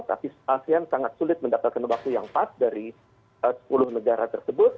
tapi asean sangat sulit mendapatkan waktu yang pas dari sepuluh negara tersebut